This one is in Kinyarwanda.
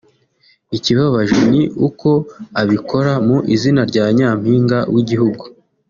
ikibabaje ni uko abikora mu izina rya Nyampinga w’igihugu